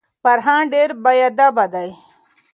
فرهان ډیر بیادبه دی.